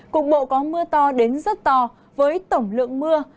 cục bộ có mưa to đến rất to với tổng lượng mưa